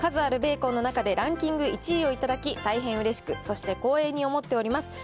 数あるベーコンの中でランキング１位を頂き、大変うれしく、そして光栄に思っております。